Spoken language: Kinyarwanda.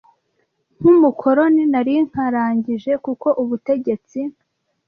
nk’umukoloni nari nkarangije kuko ubutegetsi